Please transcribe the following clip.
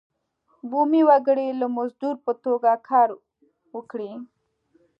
بومي وګړي د مزدور په توګه کار وکړي.